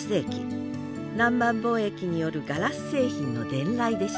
南蛮貿易によるガラス製品の伝来でした。